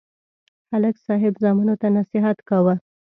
ملک صاحب زامنو ته نصحت کاوه